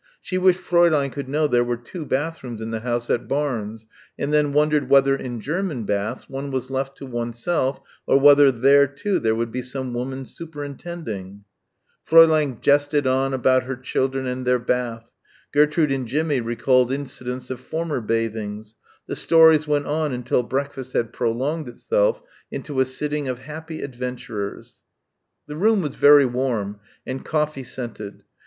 She wished Fräulein could know there were two bathrooms in the house at Barnes, and then wondered whether in German baths one was left to oneself or whether there, too, there would be some woman superintending. Fräulein jested softly on about her children and their bath. Gertrude and Jimmie recalled incidents of former bathings the stories went on until breakfast had prolonged itself into a sitting of happy adventurers. The room was very warm, and coffee scented.